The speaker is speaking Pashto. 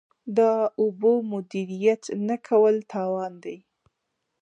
د اوبو مدیریت نه کول تاوان دی.